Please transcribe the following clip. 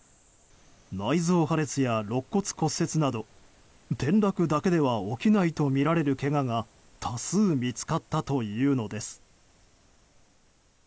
内臓破裂や肋骨骨折など転落だけでは起きないとみられるけがが多数見つかったというのです。